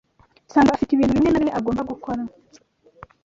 Sangwa afite ibintu bimwe na bimwe agomba gukora.